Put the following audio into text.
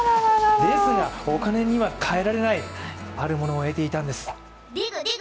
ですが、お金には換えられないあるものを得ていたんです。